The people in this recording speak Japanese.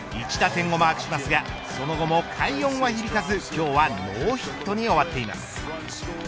１打点をマークしますがその後も快音は響かず、今日はノーヒットに終わっています。